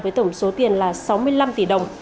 với tổng số tiền là sáu mươi năm tỷ đồng